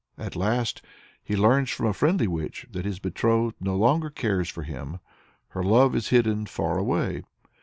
At last he learns from a friendly witch that his betrothed no longer cares for him, "her love is hidden far away."